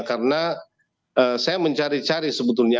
karena saya mencari cari sebetulnya